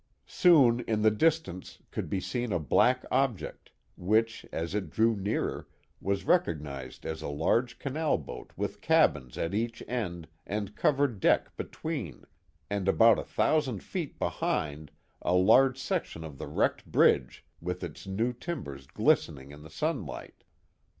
Soon, in the distance, could be seen a black object, which, as it drew nearer, was recognized as a large canal boat with cabins at each end and covered deck between, and about a th9usand feet behind, a large section of the wrecked bridge with its new timbers glistening in the sunlight.